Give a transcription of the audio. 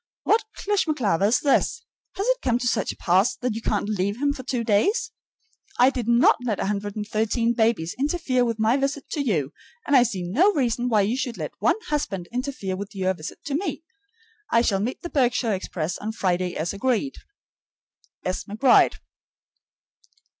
What clishmaclaver is this! Has it come to such a pass that you can't leave him for two days? I did not let 113 babies interfere with my visit to you, and I see no reason why you should let one husband interfere with your visit to me. I shall meet the Berkshire express on Friday as agreed. S. McBRIDE.